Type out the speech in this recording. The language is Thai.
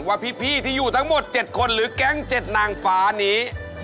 ว่าพี่ที่อยู่ทั้งหมด๗คนหรือแก๊ง๗นางฟ้านี้